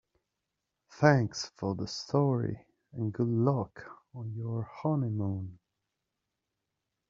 Thanks for the story and good luck on your honeymoon.